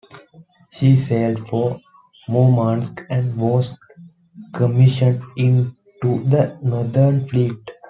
She sailed for Murmansk and was commissioned into the Northern Fleet.